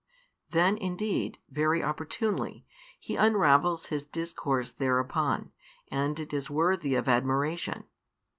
Then indeed, very opportunely, He unravels His discourse thereupon, and it is worthy of admiration.